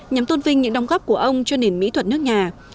nhằm tôn vinh những đồng góp của ông cho nền mỹ thuật nước nhà